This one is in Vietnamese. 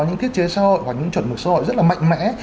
những thiết chế xã hội và những chuẩn mực xã hội rất là mạnh mẽ